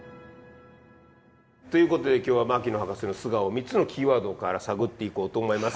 ということで今日は牧野博士の素顔を３つのキーワードから探っていこうと思います。